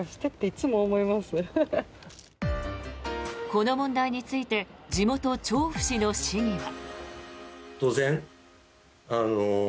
この問題について地元・調布市の市議は。